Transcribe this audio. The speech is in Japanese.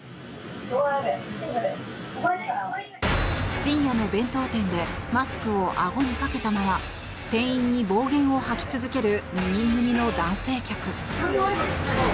深夜の弁当店でマスクをあごにかけたまま店員に暴言を吐き続ける２人組の男性客。